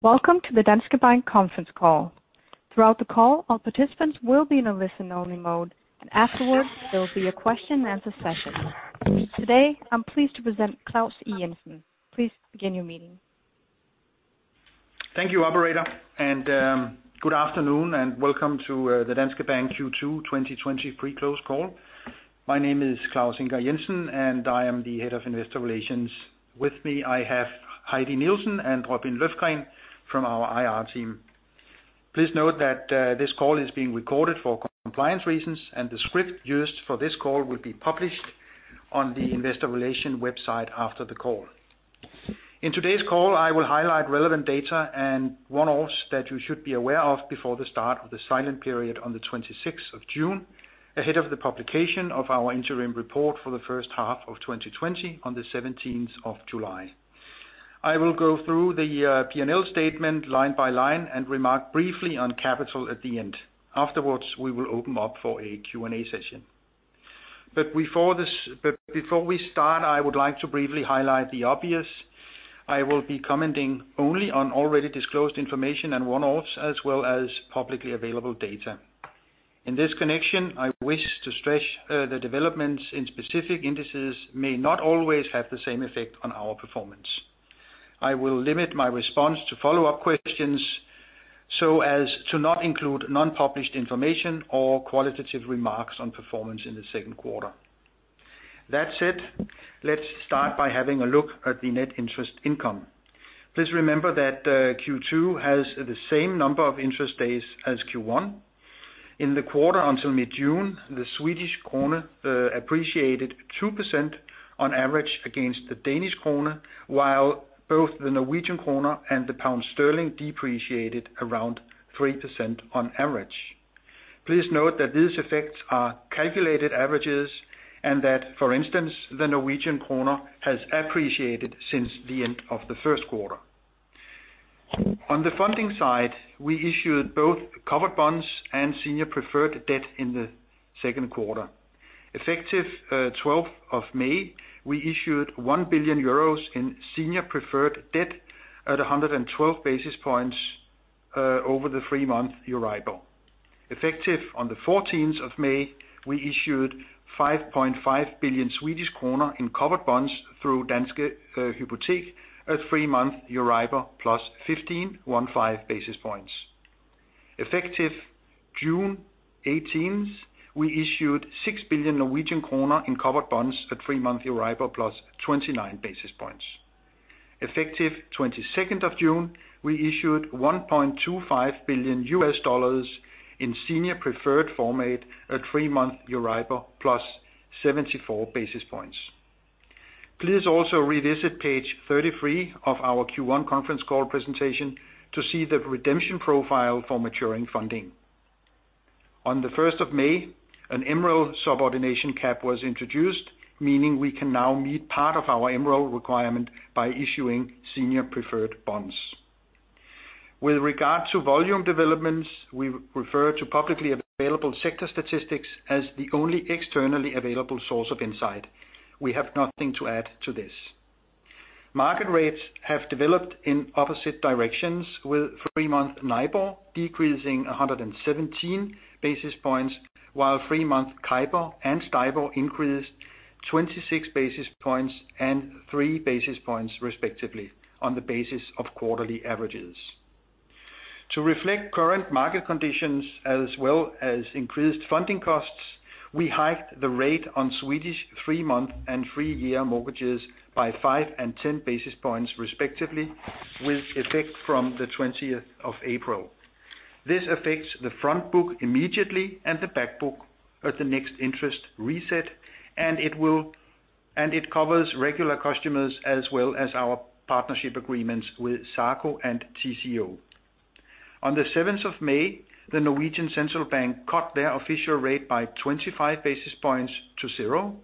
Welcome to the Danske Bank conference call. Throughout the call, all participants will be in a listen-only mode, and afterwards there will be a question and answer session. Today, I am pleased to present Claus Ingar Jensen. Please begin your meeting. Thank you, operator. Good afternoon, and welcome to the Danske Bank Q2 2020 pre-close call. My name is Claus Ingar Jensen, and I am the Head of Investor Relations. With me, I have Heidi Nielsen and Robin Løfgren from our IR team. Please note that this call is being recorded for compliance reasons, and the script used for this call will be published on the investor relations website after the call. In today's call, I will highlight relevant data and one-offs that you should be aware of before the start of the silent period on the 26th of June, ahead of the publication of our interim report for the first half of 2020 on the 17th of July. I will go through the P&L statement line by line and remark briefly on capital at the end. Afterwards, we will open up for a Q&A session. Before we start, I would like to briefly highlight the obvious. I will be commenting only on already disclosed information and one-offs as well as publicly available data. In this connection, I wish to stress the developments in specific indices may not always have the same effect on our performance. I will limit my response to follow-up questions so as to not include non-published information or qualitative remarks on performance in the second quarter. That said, let's start by having a look at the net interest income. Please remember that Q2 has the same number of interest days as Q1. In the quarter until mid-June, the Swedish krona appreciated 2% on average against the Danish krona, while both the Norwegian krona and the pound sterling depreciated around 3% on average. Please note that these effects are calculated averages and that, for instance, the Norwegian krona has appreciated since the end of the first quarter. On the funding side, we issued both covered bonds and senior preferred debt in the second quarter. Effective 12th of May, we issued 1 billion euros in senior preferred debt at 112 basis points over the three-month EURIBOR. Effective on the 14th of May, we issued 5.5 billion Swedish kronor in covered bonds through Danske Hypotek at three-month EURIBOR plus 15 basis points. Effective June 18th, we issued 6 billion Norwegian kroner in covered bonds at three-month EURIBOR plus 29 basis points. Effective 22nd of June, we issued $1.25 billion in senior preferred format at three-month EURIBOR plus 74 basis points. Please also revisit page 33 of our Q1 conference call presentation to see the redemption profile for maturing funding. On the 1st of May, an MREL subordination cap was introduced, meaning we can now meet part of our MREL requirement by issuing senior preferred bonds. With regard to volume developments, we refer to publicly available sector statistics as the only externally available source of insight. We have nothing to add to this. Market rates have developed in opposite directions, with three-month NIBOR decreasing 117 basis points while three-month CIBOR and STIBOR increased 26 basis points and three basis points respectively on the basis of quarterly averages. To reflect current market conditions as well as increased funding costs, we hiked the rate on Swedish three-month and three-year mortgages by five and 10 basis points respectively with effect from the 20th of April. It covers the front book immediately and the back book at the next interest reset, and it covers regular customers as well as our partnership agreements with SACO and TCO. On the 7th of May, Norges Bank cut their official rate by 25 basis points to zero.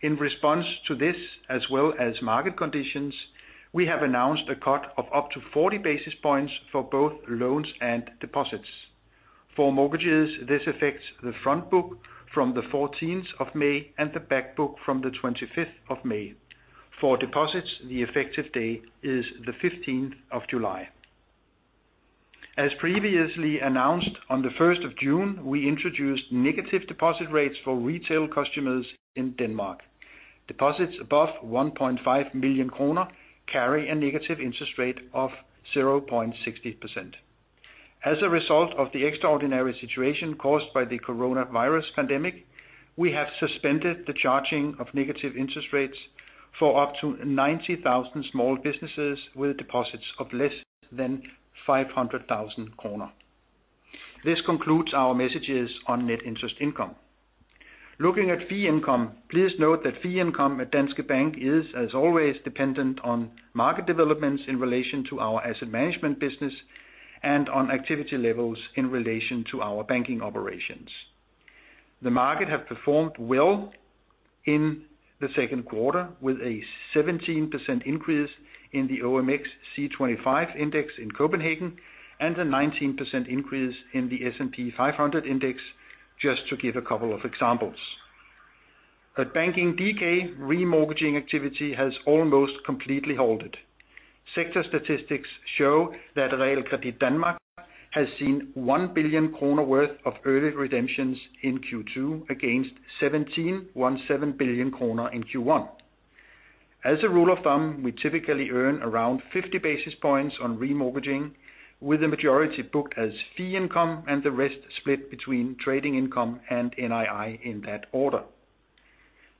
In response to this, as well as market conditions, we have announced a cut of up to 40 basis points for both loans and deposits. For mortgages, this affects the front book from the 14th of May and the back book from the 25th of May. For deposits, the effective date is the 15th of July. As previously announced, on the 1st of June, we introduced negative deposit rates for retail customers in Denmark. Deposits above 1.5 million kroner carry a negative interest rate of 0.60%. As a result of the extraordinary situation caused by the COVID-19 pandemic, we have suspended the charging of negative interest rates for up to 90,000 small businesses with deposits of less than 500,000 kroner. This concludes our messages on net interest income. Looking at fee income, please note that fee income at Danske Bank is, as always, dependent on market developments in relation to our asset management business and on activity levels in relation to our banking operations. The market have performed well in the second quarter, with a 17% increase in the OMXC25 index in Copenhagen and a 19% increase in the S&P 500 index, just to give a couple of examples. At Banking DK, remortgaging activity has almost completely halted. Sector statistics show that Realkredit Danmark has seen 1 billion kroner worth of early redemptions in Q2 against 17 billion kroner in Q1. As a rule of thumb, we typically earn around 50 basis points on remortgaging, with the majority booked as fee income and the rest split between trading income and NII in that order.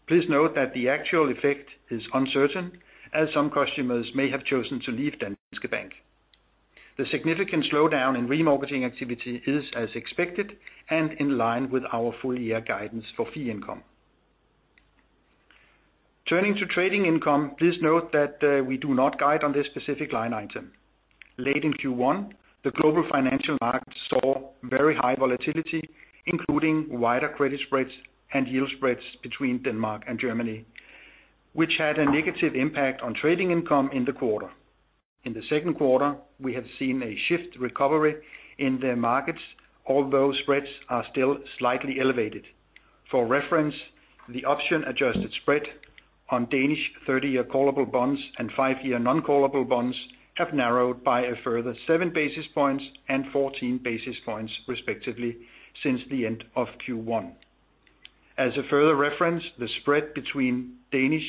Please note that the actual effect is uncertain, as some customers may have chosen to leave Danske Bank. The significant slowdown in remortgaging activity is as expected and in line with our full-year guidance for fee income. Turning to trading income, please note that we do not guide on this specific line item. Late in Q1, the global financial market saw very high volatility, including wider credit spreads and yield spreads between Denmark and Germany, which had a negative impact on trading income in the quarter. In the second quarter, we have seen a shift recovery in the markets, although spreads are still slightly elevated. For reference, the option-adjusted spread on Danish 30-year callable bonds and five-year non-callable bonds have narrowed by a further seven basis points and 14 basis points respectively since the end of Q1. As a further reference, the spread between Danish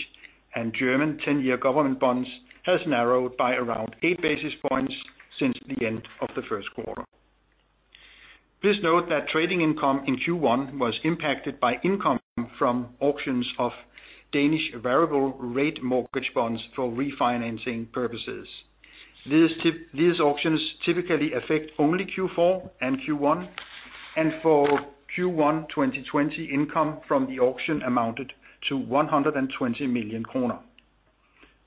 and German 10-year government bonds has narrowed by around eight basis points since the end of the first quarter. Please note that trading income in Q1 was impacted by income from auctions of Danish variable rate mortgage bonds for refinancing purposes. These auctions typically affect only Q4 and Q1, and for Q1 2020, income from the auction amounted to 120 million kroner.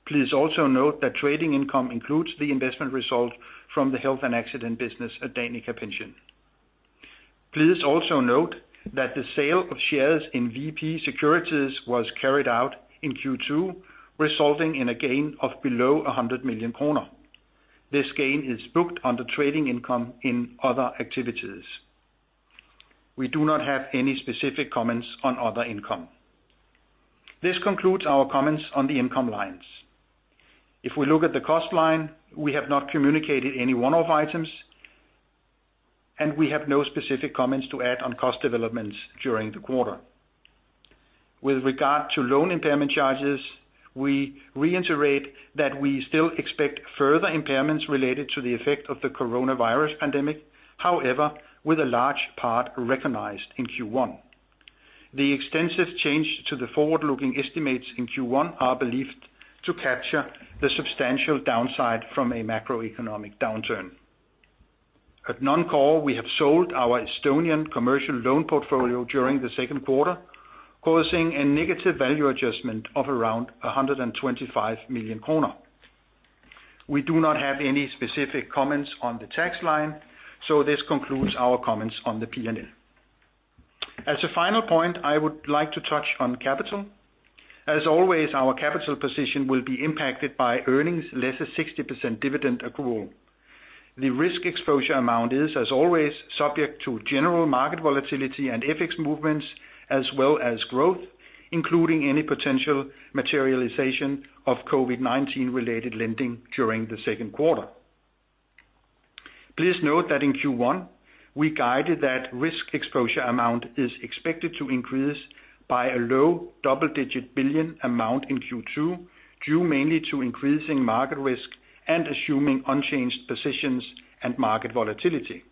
Please also note that trading income includes the investment result from the health and accident business at Danica Pension. Please also note that the sale of shares in VP Securities was carried out in Q2, resulting in a gain of below 100 million kroner. This gain is booked under trading income in other activities. We do not have any specific comments on other income. This concludes our comments on the income lines. If we look at the cost line, we have not communicated any one-off items, and we have no specific comments to add on cost developments during the quarter. With regard to loan impairment charges, we reiterate that we still expect further impairments related to the effect of the coronavirus pandemic, however, with a large part recognized in Q1. The extensive change to the forward-looking estimates in Q1 are believed to capture the substantial downside from a macroeconomic downturn. At non-core, we have sold our Estonian commercial loan portfolio during the second quarter, causing a negative value adjustment of around 125 million kroner. We do not have any specific comments on the tax line, this concludes our comments on the P&L. As a final point, I would like to touch on capital. As always, our capital position will be impacted by earnings less a 60% dividend accrual. The risk exposure amount is, as always, subject to general market volatility and ethics movements as well as growth, including any potential materialization of COVID-19 related lending during the second quarter. Please note that in Q1, we guided that risk exposure amount is expected to increase by a low double-digit billion amount in Q2, due mainly to increasing market risk and assuming unchanged positions and market volatility.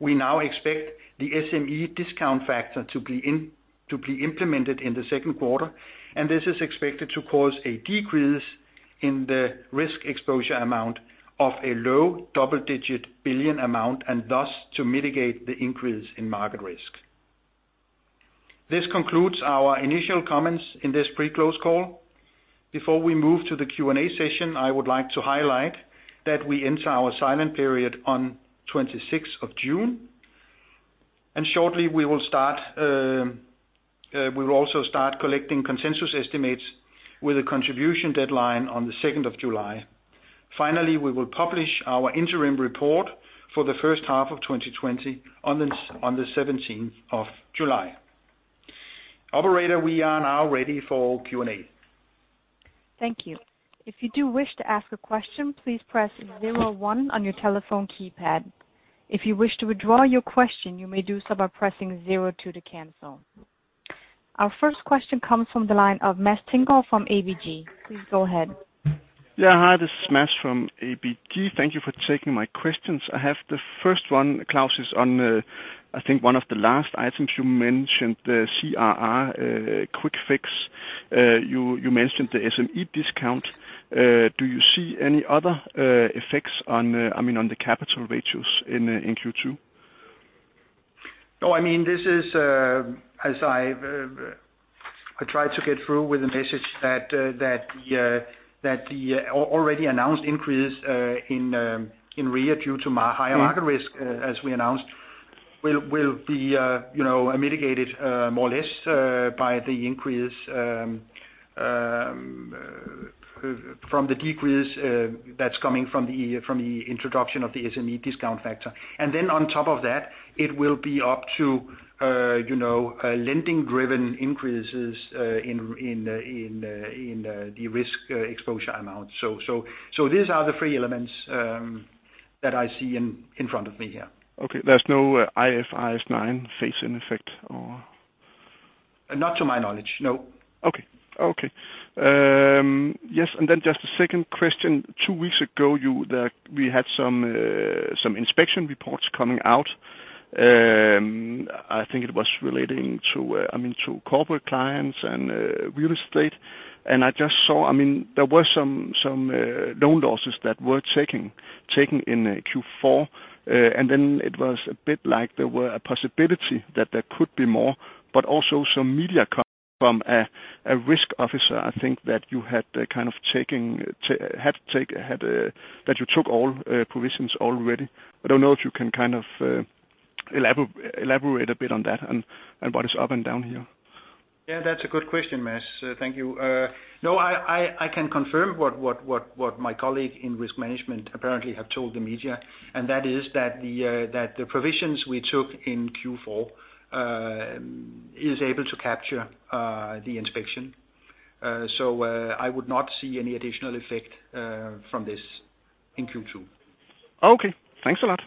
We now expect the SME discount factor to be implemented in the second quarter, this is expected to cause a decrease in the risk exposure amount of a low double-digit billion amount, thus to mitigate the increase in market risk. This concludes our initial comments in this pre-close call. Before we move to the Q&A session, I would like to highlight that we enter our silent period on 26th of June, shortly we will also start collecting consensus estimates with a contribution deadline on the 2nd of July. We will publish our interim report for the first half of 2020 on the 17th of July. Operator, we are now ready for Q&A. Thank you. If you do wish to ask a question, please press 01 on your telephone keypad. If you wish to withdraw your question, you may do so by pressing 02 to cancel. Our first question comes from the line of Mads Thinggaard from ABG. Please go ahead. Yeah. Hi, this is Mads from ABG. Thank you for taking my questions. I have the first one, Claus, is on, I think one of the last items you mentioned, the CRR, quick fix. You mentioned the SME discount. Do you see any other effects on the capital ratios in Q2? No, as I've tried to get through with the message that the already announced increase in REA due to my higher market risk, as we announced will be mitigated more or less by the increase from the decrease that's coming from the introduction of the SME discount factor. On top of that, it will be up to lending-driven increases in the risk exposure amount. These are the three elements that I see in front of me here. Okay. There's no IFRS 9 phase-in effect or? Not to my knowledge, no. Okay. Yes, just a second question. Two weeks ago, we had some inspection reports coming out. I think it was relating to corporate clients and real estate. I just saw, there were some loan losses that were taken in Q4, and then it was a bit like there were a possibility that there could be more, but also some media from a risk officer, I think that you took all provisions already. I don't know if you can elaborate a bit on that and what is up and down here. Yeah, that's a good question, Mads. Thank you. I can confirm what my colleague in risk management apparently have told the media, and that is that the provisions we took in Q4 is able to capture the inspection. I would not see any additional effect from this in Q2. Okay. Thanks a lot.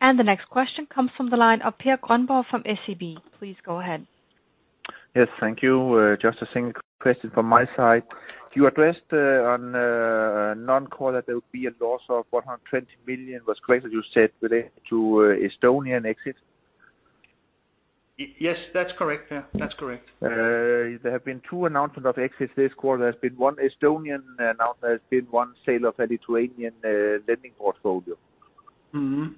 The next question comes from the line of Pierre Gronba from SEB. Please go ahead. Yes, thank you. Just a single question from my side. You addressed on non-core that there will be a loss of 120 million, was correct, as you said today to Estonian exit? Yes, that's correct. Yeah. That's correct. There have been two announcement of exits this quarter. There has been one Estonian announcement, there has been one sale of a Lithuanian lending portfolio. What's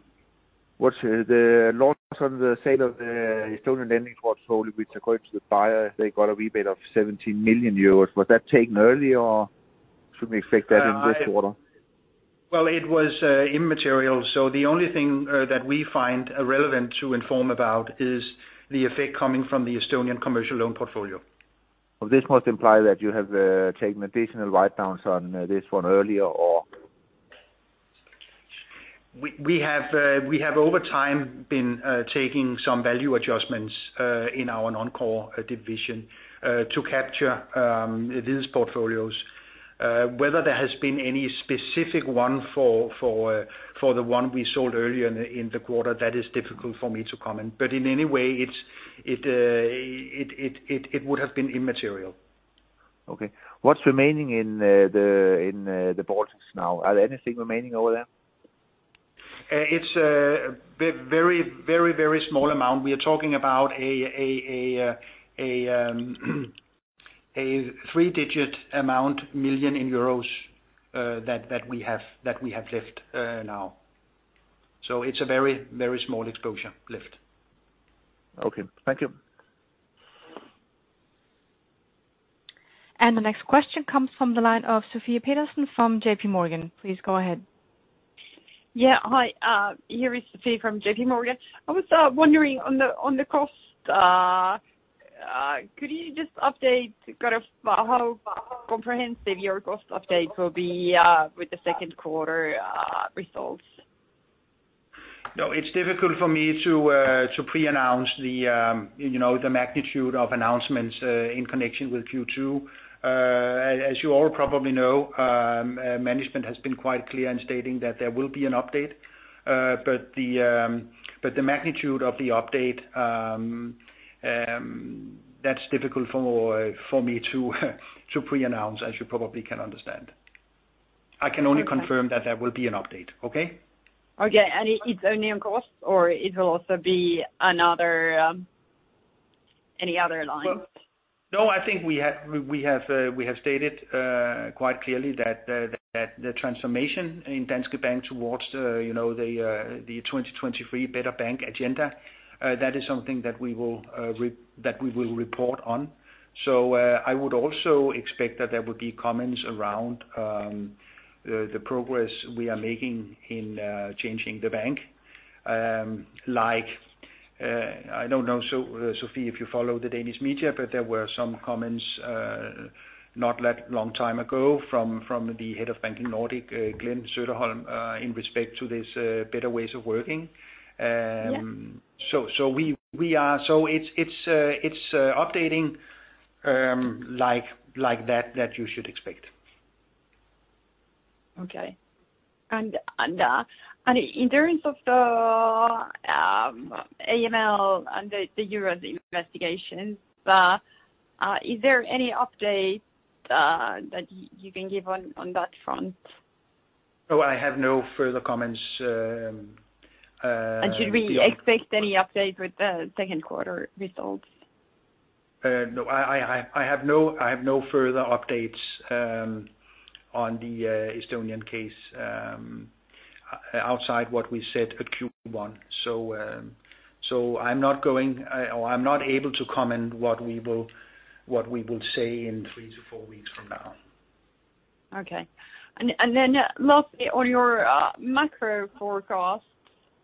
the loss on the sale of the Estonian lending portfolio, which according to the buyer, they got a rebate of 17 million euros. Was that taken earlier, or should we expect that in this quarter? Well, it was immaterial. The only thing that we find relevant to inform about is the effect coming from the Estonian commercial loan portfolio. This must imply that you have taken additional write-downs on this one earlier or? We have over time been taking some value adjustments in our non-core division to capture these portfolios. Whether there has been any specific one for the one we sold earlier in the quarter, that is difficult for me to comment. In any way, it would have been immaterial. Okay. What's remaining in the Baltics now? Are there anything remaining over there? It's a very small amount. We are talking about a three-digit amount million in EUR that we have left now. It's a very small exposure left. Okay. Thank you. The next question comes from the line of Sofie Peterzens from J.P. Morgan. Please go ahead. Yeah. Hi, here is Sofie from J.P. Morgan. I was wondering on the cost, could you just update kind of how comprehensive your cost update will be with the second quarter results? No, it's difficult for me to pre-announce the magnitude of announcements in connection with Q2. As you all probably know, management has been quite clear in stating that there will be an update, but the magnitude of the update, that's difficult for me to pre-announce, as you probably can understand. I can only confirm that there will be an update. Okay? Okay. It's only on costs or it'll also be any other lines? No, I think we have stated quite clearly that the transformation in Danske Bank towards the 2023 Better Bank agenda, that is something that we will report on. I would also expect that there will be comments around the progress we are making in changing the bank. I don't know, Sofie, if you follow the Danish media, but there were some comments, not that long time ago from the Head of Banking Nordic, Glenn Söderholm, in respect to this Better Ways of Working. Yeah. It's updating like that you should expect. Okay. In terms of the AML and the Estonia investigation, is there any update that you can give on that front? I have no further comments. Should we expect any update with the second quarter results? No, I have no further updates on the Estonian case outside what we said at Q1. I'm not able to comment what we will say in three to four weeks from now. Okay. Lastly, on your macro forecast,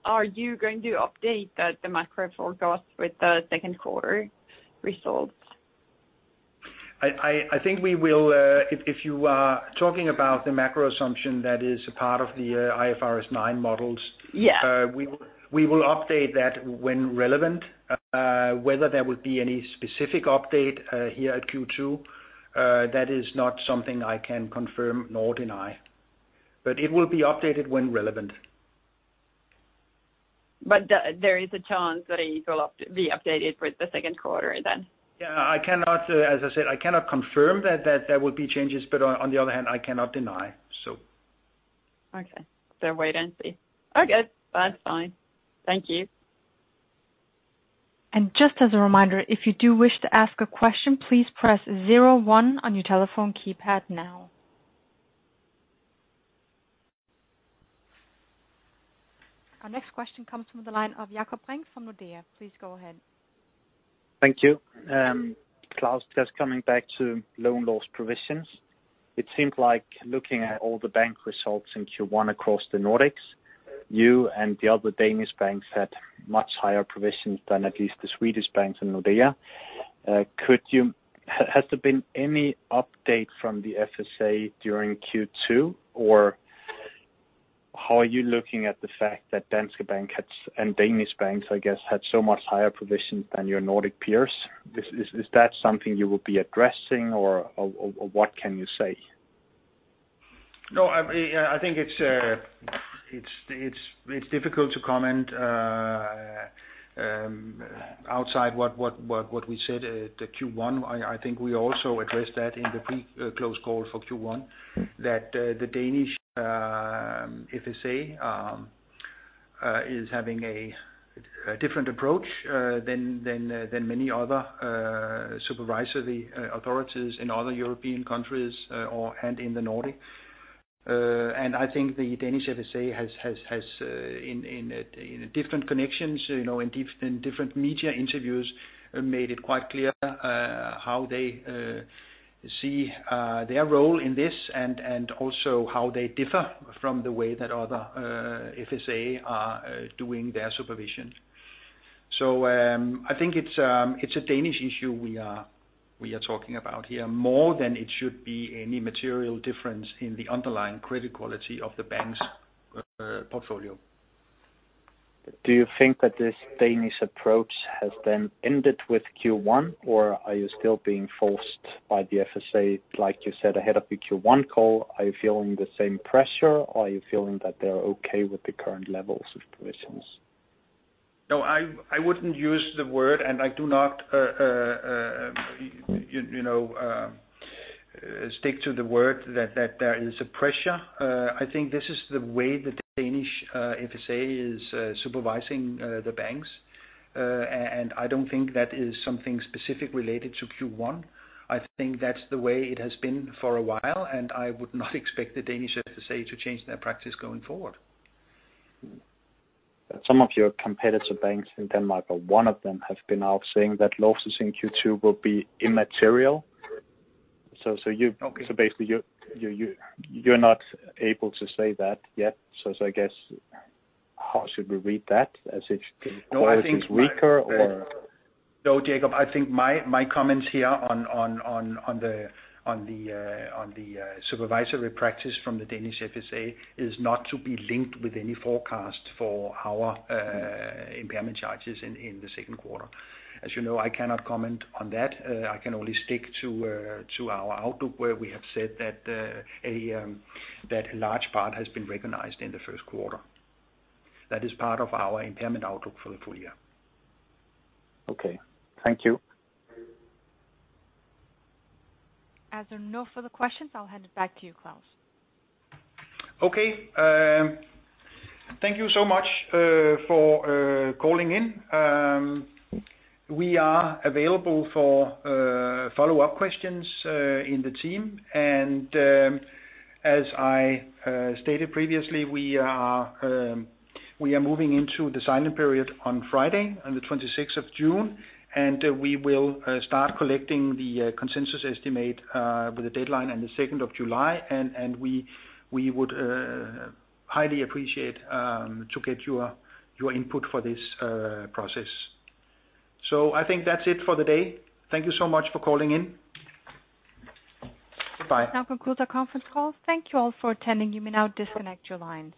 are you going to update the macro forecast with the second quarter results? I think we will. If you are talking about the macro assumption that is a part of the IFRS 9 models. Yeah We will update that when relevant. Whether there will be any specific update here at Q2, that is not something I can confirm nor deny, but it will be updated when relevant. There is a chance that it will be updated for the second quarter then? Yeah, as I said, I cannot confirm that there will be changes, but on the other hand, I cannot deny. Okay. Wait and see. Okay, that's fine. Thank you. Just as a reminder, if you do wish to ask a question, please press zero one on your telephone keypad now. Our next question comes from the line of Jakob Brink from Nordea. Please go ahead. Thank you. Claus, just coming back to loan loss provisions. It seems like looking at all the bank results in Q1 across the Nordics, you and the other Danish banks had much higher provisions than at least the Swedish banks and Nordea. Has there been any update from the FSA during Q2? How are you looking at the fact that Danske Bank, and Danish banks, I guess, had so much higher provisions than your Nordic peers? Is that something you will be addressing, or what can you say? I think it's difficult to comment outside what we said at Q1. I think we also addressed that in the pre-close call for Q1, that the Danish FSA is having a different approach than many other supervisory authorities in other European countries and in the Nordic. I think the Danish FSA has, in different connections, in different media interviews, made it quite clear how they see their role in this, and also how they differ from the way that other FSA are doing their supervision. I think it's a Danish issue we are talking about here, more than it should be any material difference in the underlying credit quality of the bank's portfolio. Do you think that this Danish approach has then ended with Q1, or are you still being forced by the FSA, like you said, ahead of the Q1 call? Are you feeling the same pressure, or are you feeling that they are okay with the current levels of provisions? I wouldn't use the word, and I do not stick to the word that there is a pressure. I think this is the way the Danish FSA is supervising the banks, and I don't think that is something specific related to Q1. I think that's the way it has been for a while, and I would not expect the Danish FSA to change their practice going forward. Some of your competitor banks in Denmark, or one of them, have been out saying that losses in Q2 will be immaterial. Basically you're not able to say that yet. I guess, how should we read that? As it is weaker or? No, Jakob, I think my comments here on the supervisory practice from the Danish FSA is not to be linked with any forecast for our impairment charges in the second quarter. As you know, I cannot comment on that. I can only stick to our outlook, where we have said that a large part has been recognized in the first quarter. That is part of our impairment outlook for the full year. Okay. Thank you. As there are no further questions, I'll hand it back to you, Claus. Okay. Thank you so much for calling in. We are available for follow-up questions in the team. As I stated previously, we are moving into the silent period on Friday on the 26th of June. We will start collecting the consensus estimate with the deadline on the 2nd of July. We would highly appreciate to get your input for this process. I think that's it for the day. Thank you so much for calling in. Goodbye. That concludes our conference call. Thank you all for attending. You may now disconnect your lines.